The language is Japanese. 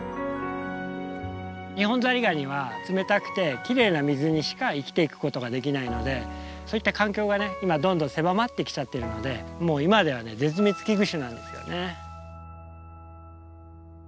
ニホンザリガニは冷たくてきれいな水にしか生きていくことができないのでそういった環境が今どんどん狭まってきちゃってるのでもう今では絶滅危惧種なんですよね。